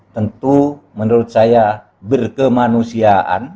tentu menurut saya berkemanusiaan